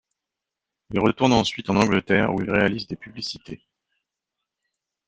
Il retourne ensuite en Angleterre où il réalise des publicités.